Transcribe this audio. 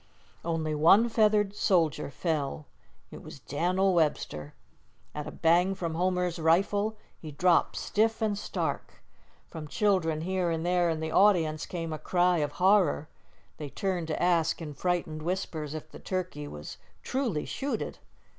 Only one feathered soldier fell. It was Dan'l Webster. At a bang from Homer's rifle he dropped stiff and stark. From children here and there in the audience came a cry of horror. They turned to ask in frightened whispers if the turkey was "truly shooted."